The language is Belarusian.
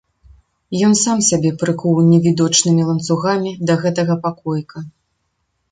Ён сам сябе прыкуў невідочнымі ланцугамі да гэтага пакоіка.